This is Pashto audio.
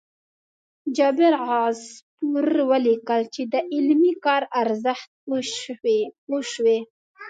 جابر عصفور ولیکل چې د علمي کار ارزښت پوه شوي.